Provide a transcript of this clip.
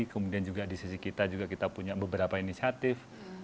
kemudian juga di sisi kita juga kita punya beberapa inisiatif